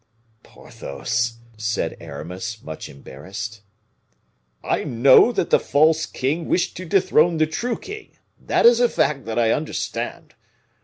"Porthos," said Aramis, much embarrassed. "I know that the false king wished to dethrone the true king. That is a fact, that I understand.